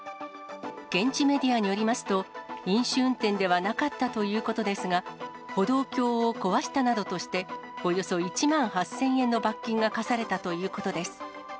現地メディアによりますと、飲酒運転ではなかったということですが、歩道橋を壊したなどとして、およそ１万８０００円の罰金が科されたということです。